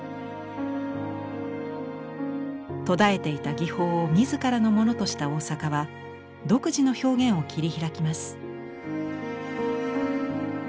途絶えていた技法を自らのものとした大坂は独自の表現を切り開きます。